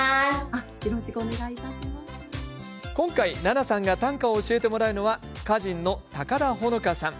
今回、奈々さんが短歌を教えてもらうのは歌人の高田ほのかさん。